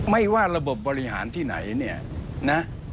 ไม่ว่าระบบบบริหารที่ไหนเนี่ยนะ